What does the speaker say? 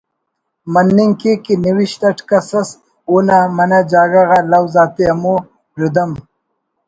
morning cake کہ نوشت اٹ کس اس اونا منہ جاگہ غا لوز آتے ہمو ردھم